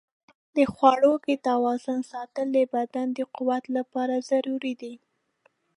د خواړو کې توازن ساتل د بدن د قوت لپاره ضروري دي.